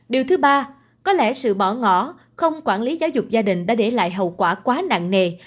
điều thứ ba có lẽ sự bỏ ngỏ không quản lý giáo dục gia đình đã để lại hậu quả quá nặng nề